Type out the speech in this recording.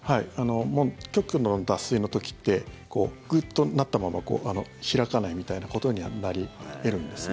極度の脱水の時ってグッとなったまま開かないみたいなことにはなり得るんですね。